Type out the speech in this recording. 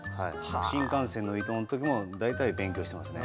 新幹線の移動のときも大体、勉強しています。